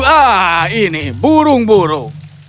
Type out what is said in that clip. ah ini burung burung